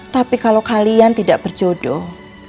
tapi kalau kalian tidak berjodoh